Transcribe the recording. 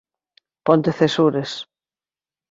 Pontecesures